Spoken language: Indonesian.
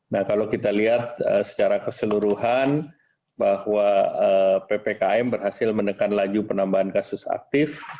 nah kalau kita lihat secara keseluruhan bahwa ppkm berhasil menekan laju penambahan kasus aktif